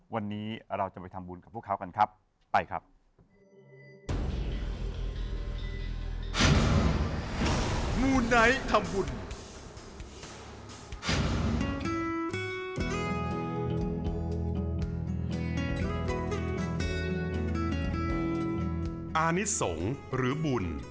วันนี้เราจะไปทำบุญกับพวกเขากันครับไปครับ